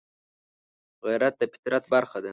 غیرت د فطرت برخه ده